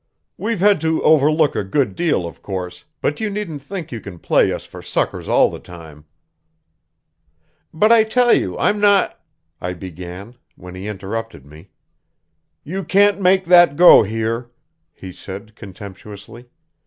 We've had to overlook a good deal, of course, but you needn't think you can play us for suckers all the time." "But I tell you I'm not " I began, when he interrupted me. "You can't make that go here," he said contemptuously.